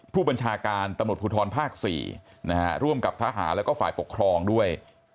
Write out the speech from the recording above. ผู้บัญชาการตำรวจภูทรภาค๔ร่วมกับทหารแล้วก็ฝ่ายปกครองด้วย